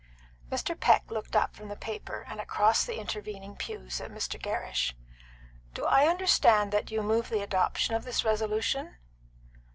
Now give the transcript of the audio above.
Mr. Peck looked up from the paper and across the intervening pews at Mr. Gerrish. "Do I understand that you move the adoption of this resolution?"